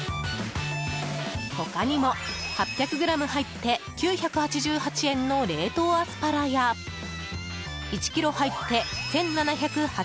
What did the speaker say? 他にも、８００ｇ入って９８８円の冷凍アスパラや１ｋｇ入って１７８０円